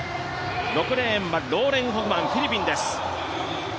６レーンローレン・ホフマンフィリピンです。